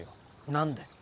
何で？